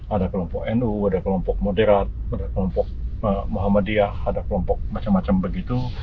ada kelompok nu ada kelompok moderat ada kelompok muhammadiyah ada kelompok macam macam begitu